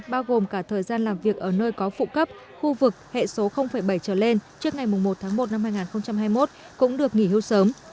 bao gồm cả thời gian làm việc ở nơi có phụ cấp khu vực hệ số bảy trở lên trước ngày một tháng một năm hai nghìn hai mươi một cũng được nghỉ hưu sớm